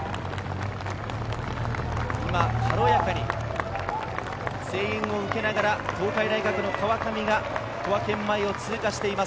今、軽やかに声援を受けながら東海大学の川上が小涌園前を通過しています。